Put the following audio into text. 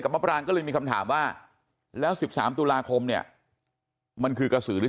มะปรางก็เลยมีคำถามว่าแล้ว๑๓ตุลาคมเนี่ยมันคือกระสือหรือ